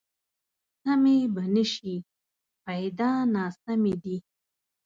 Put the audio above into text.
سمې به نه شي، پیدا ناسمې دي